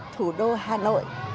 thủ đô hà nội